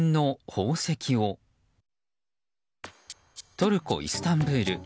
トルコ・イスタンブール。